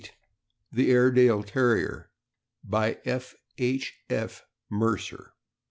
THE AIREDALE TERRIER. BY F. H. F. MERCER.